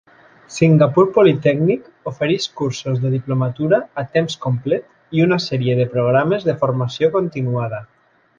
Singapore Polytechnic ofereix cursos de diplomatura a temps complet i una sèrie de programes de formació continuada.